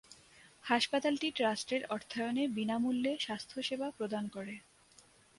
হাসপাতালটি ট্রাস্টের অর্থায়নে বিনামূল্যে স্বাস্থ্যসেবা প্রদান করে।